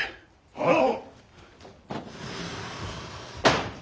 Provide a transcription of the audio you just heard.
はっ！